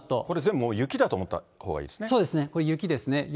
これ全部もう雪だと思ったほうがいいですね。